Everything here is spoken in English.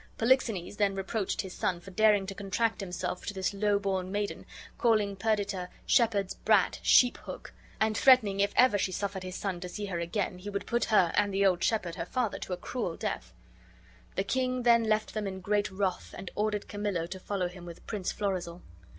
Polixenes then reproached his son for daring to contract himself to this low born maiden, calling Perdita "shepherd's brat, sheep hook," and other disrespectful names, and threatening if ever she suffered his son to see her again, he would put her, and the old shepherd her father, to a cruel death. The king then left them in great wrath, and ordered Camillo to follow him with Prince Florizel.